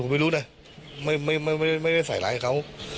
ผมไม่รู้นะไม่ได้ใส่ร้ายเขา